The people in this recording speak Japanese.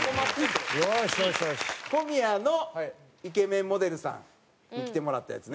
小宮のイケメンモデルさんに着てもらったやつね。